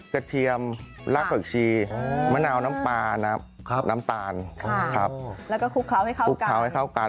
ข้างบัวแห่งสันยินดีต้อนรับทุกท่านนะครับ